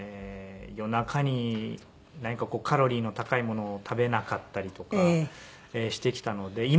夜中に何かカロリーの高いものを食べなかったりとかしてきたので。